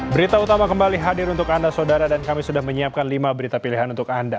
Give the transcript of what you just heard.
berita utama kembali hadir untuk anda saudara dan kami sudah menyiapkan lima berita pilihan untuk anda